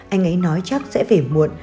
anh ấy nói chắc sẽ về muộn